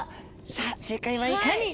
さあ正解はいかに？